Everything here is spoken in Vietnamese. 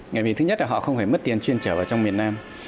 ngày miền thứ nhất là họ không phải mất tiền chuyên trở vào trong miền nam